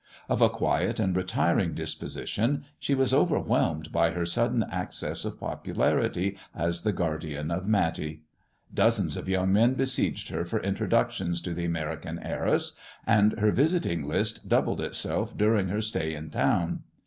Of a quiet and retiring disposition, she was overwhelmed by her sudden access of popularity as the guardian of Matty. Dozens of young men besieged her for introductions to the American heiress, and her visiting list doubled itself during her stay in town.